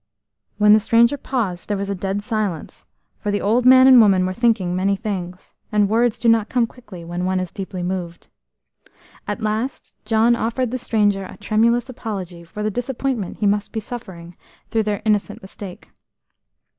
When the stranger paused there was a dead silence, for the old man and woman were thinking many things, and words do not come quickly when one is deeply moved. At last John offered the stranger a tremulous apology for the disappointment he must be suffering through their innocent mistake.